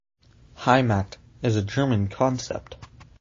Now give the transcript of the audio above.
"Heimat" is a German concept.